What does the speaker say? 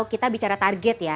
kita bicara target ya